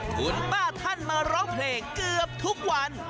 คุณป้าท่านมาร้องเพลงเกือบทุกวัน